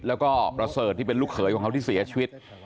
แล้วก็ประเสริฐที่เป็นลูกเขยของเขาที่เสียชีวิต